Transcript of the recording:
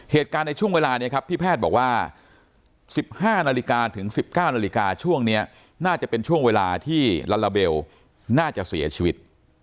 เหตุการณ์ในช่วงเวลานี้ครับที่แพทย์บอกว่า๑๕นาฬิกาถึง๑๙นาฬิกาช่วงนี้น่าจะเป็นช่วงเวลาที่ลาลาเบลน่าจะเสียชีวิต